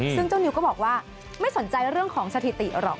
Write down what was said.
ซึ่งเจ้านิวก็บอกว่าไม่สนใจเรื่องของสถิติหรอก